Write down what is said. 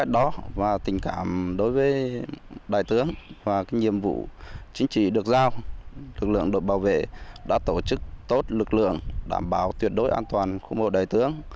đảm bảo tuyệt đối an toàn khu mộ đại tướng